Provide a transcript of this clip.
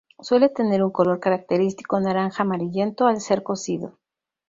Suele tener un color característico naranja-amarillento al ser cocido.